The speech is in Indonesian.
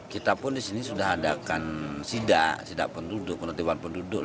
kita pun di sini sudah adakan sidak sidak penduduk penutupan penduduk